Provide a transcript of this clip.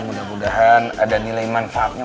mudah mudahan ada nilai manfaatnya